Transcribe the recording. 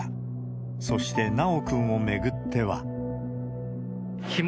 そして、修くんを巡っては。